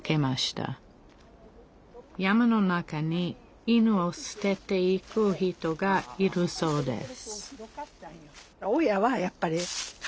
山の中に犬をすてていく人がいるそうです